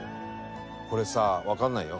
これさわかんないよ？